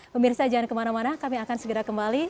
pemirsa jangan kemana mana kami akan segera kembali